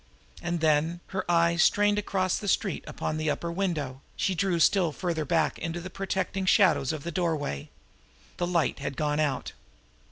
And then, her eyes strained across the street upon that upper window, she drew still farther back into the protecting shadows of the doorway. The light had gone out.